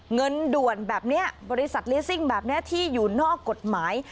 เงินด่วนแบบนี้บริษัทเลสซิ่งแบบนี้ที่อยู่นอกกฎหมาย